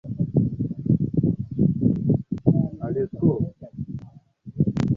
Hayati Rais Magufuli alimnadi Hussein Mwinyi